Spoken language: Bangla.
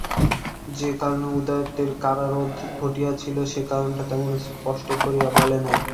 যে-কারণে উদয়াদিত্যের কারারোধ ঘটিয়াছিল, সে-কারণটা তেমন স্পষ্ট করিয়া বলে নাই।